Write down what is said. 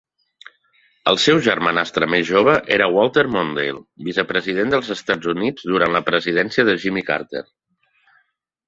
El seu germanastre més jove era Walter Mondale, vicepresident dels Estats Units durant la presidència de Jimmy Carter.